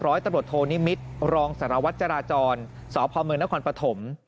ร้อยตะโหลดโทนิมิตรรองสารวัตรจราจรสพนครปฐม